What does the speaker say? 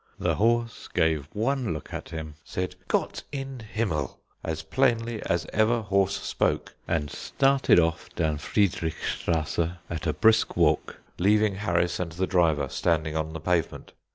The horse gave one look at him, said "Gott in Himmel!" as plainly as ever horse spoke, and started off down Friedrich Strasse at a brisk walk, leaving Harris and the driver standing on the pavement.